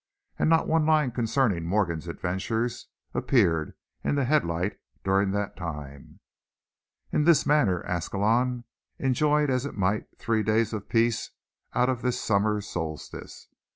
And not one line concerning Morgan's adventures appeared in the Headlight during that time. In this manner, Ascalon enjoyed as it might three days of peace out of this summer solstice.